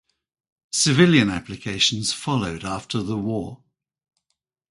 Civilian applications followed after the war.